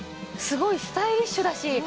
すごいスタイリッシュだし。